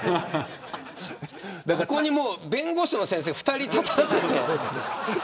ここに弁護士の先生２人立たせて。